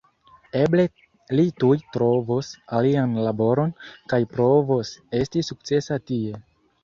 Eble li tuj trovos alian laboron, kaj provos esti sukcesa tie.